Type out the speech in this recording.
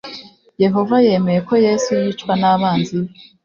Yehova yemeye ko Yesu yicwa n’abanzi be